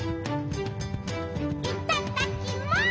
「いただきます」